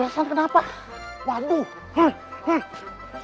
takkan kena indah tanpamu hidupku